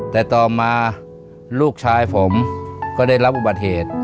แต่ต่อมาลูกชายผมก็ได้รับอุบัติเหตุ